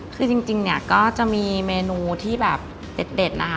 คือจริงเนี่ยก็จะมีเมนูที่แบบเด็ดนะคะ